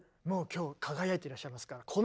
もう今日輝いてらっしゃいますから。